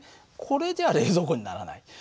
これじゃ冷蔵庫にならない。